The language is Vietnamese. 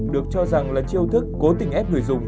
được cho rằng là chiêu thức cố tình ép người dùng